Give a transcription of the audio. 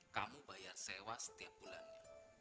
kamu bayar sewa setiap bulannya